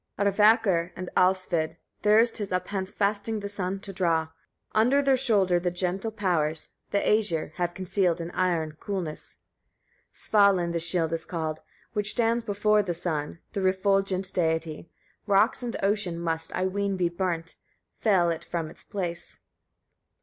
37. Arvakr and Alsvid, theirs 'tis up hence fasting the sun to draw: under their shoulder the gentle powers, the Æsir, have concealed an iron coolness. 38. Svalin the shield is called, which stands before the sun, the refulgent deity; rocks and ocean must, I ween, be burnt, fell it from its place.